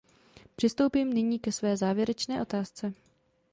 Přistoupím nyní ke své závěrečné otázce.